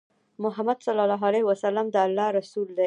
محمد صلی الله عليه وسلم د الله رسول دی